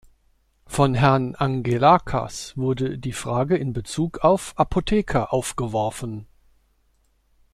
Von Herrn Angelakas wurde die Frage in Bezug auf Apotheker aufgeworfen.